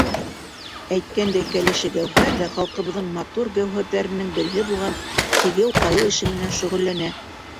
Әйткәндәй, кәләше Гәүһәр ҙә халҡыбыҙҙың матур гәүһәрҙәренең береһе булған сигеү-ҡайыу эше менән шөғөлләнә.